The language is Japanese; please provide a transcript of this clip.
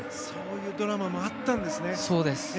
そういうドラマもあったんですね。